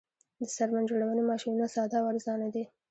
د څرمن جوړونې ماشینونه ساده او ارزانه دي